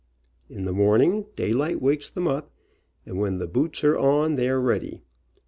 In the mOrning daylight wakes them up, and when the boots are on they are ready.